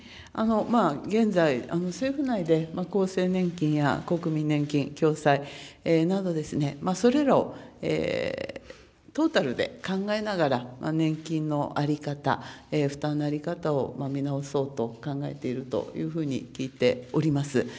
現在、政府内で厚生年金や国民年金、共済などですね、それらをトータルで考えながら年金の在り方、負担の在り方を見直そうと考えているというふうに聞いております。